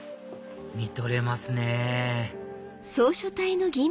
見とれますねほう！